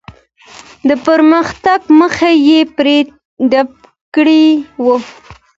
د پرمختګ مخه یې پرې ډپ کړې وه.